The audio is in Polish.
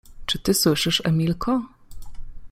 Czy ty słyszysz, Emilko?